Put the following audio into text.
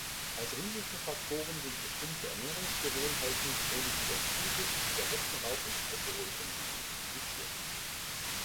Als Risikofaktoren sind bestimmte Ernährungsgewohnheiten, chronische Gastritis, Zigarettenrauch und Alkoholkonsum identifiziert.